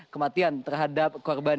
kematian terhadap korban